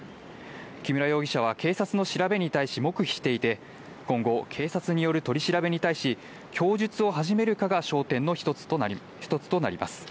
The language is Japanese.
木村容疑者は警察の調べに対し、黙秘していて、今後、警察による調べに対し供述を始めるかが焦点の一つとなります。